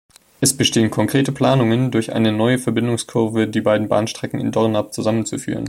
Es bestehen konkrete Planungen, durch eine neue Verbindungskurve die beiden Bahnstrecken in Dornap zusammenzuführen.